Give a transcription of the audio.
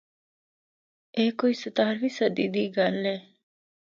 اے کوئی ستارویں صدی دی گل اے۔